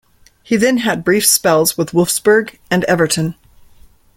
He then had brief spells with Wolfsburg and Everton.